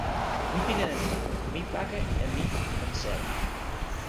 mi pilin e ni: mi pake e mi tan sewi.